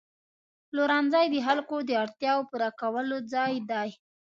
پلورنځی د خلکو د اړتیاوو پوره کولو ځای دی.